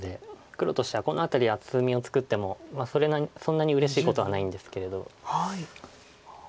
黒としてはこの辺り厚みを作ってもそんなにうれしいことはないんですけれど。